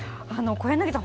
小柳さん